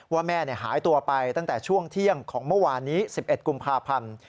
ว่าแม่หายตัวไปตั้งแต่ช่วงเที่ยงของเมื่อวานนี้๑๑กุมภาพันธ์